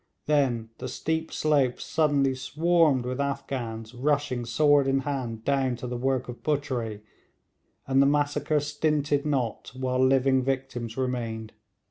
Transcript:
Then the steep slopes suddenly swarmed with Afghans rushing sword in hand down to the work of butchery, and the massacre stinted not while living victims remained.